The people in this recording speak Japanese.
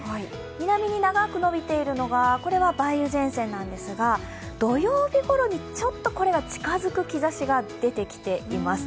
南に長く延びているのが梅雨前線なんですが土曜日ごろにちょっとこれが近づく兆しが出てきています。